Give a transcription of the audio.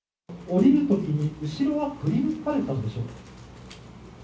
降りるときに後ろは振り向かれたんでしょうか？